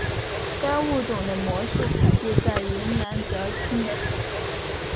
该物种的模式产地在云南德钦。